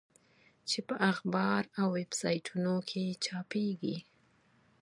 چې په اخبار او ویب سایټونو کې چاپېږي.